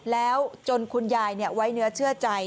แล้วจนคุณยายไว้เนื้อเชื่อใจ